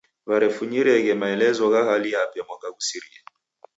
W'erefunyireghe maelezo gha hali yape mwaka ghusirie.